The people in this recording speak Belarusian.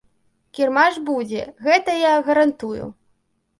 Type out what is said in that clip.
Кірмаш будзе, гэта я гарантую.